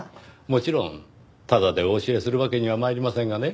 もちろんタダでお教えするわけには参りませんがね。